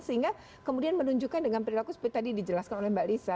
sehingga kemudian menunjukkan dengan perilaku seperti tadi dijelaskan oleh mbak lisa